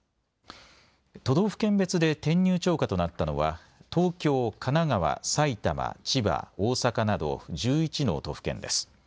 都道府県別で転入超過となったのは東京、神奈川、埼玉、千葉、大阪など１１の都府県です。